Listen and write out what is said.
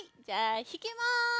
じゃあひきます。